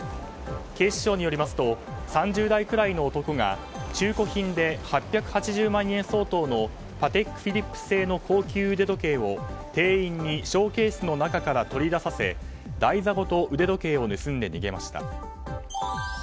警視庁によりますと３０代くらいの男が中古品で８８０万円相当のパテックフィリップ製の高級腕時計を店員にショーケースの中から取り出させ台座ごと腕時計を盗んで逃げました。